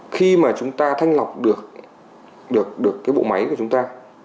khi mà chúng ta thanh lọc được cái bộ máy của chúng ta